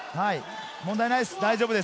問題ないです。